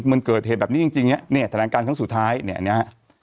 มันเกิดเหตุแบบนี้จริงนี่แถลงการครั้งสุดท้ายนี่อันนี้